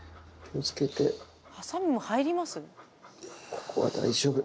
ここは大丈夫。